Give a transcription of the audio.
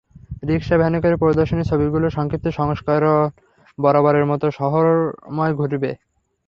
রিকশা ভ্যানে করে প্রদর্শনীর ছবিগুলোর সংক্ষিপ্ত সংস্করণ বরাবরের মতো শহরময় ঘুরবে।